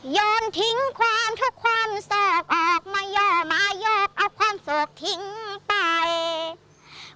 โยนทิ้งความทุกความสอกออกไม่ยอมอายกเอาความสวกทิ้งไป